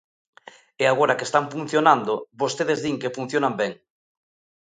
E agora que están funcionando, vostedes din que funcionan ben.